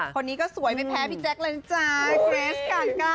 คนนี้ก็สวยไม่แพ้พี่แจ๊กแล้วเนี่ย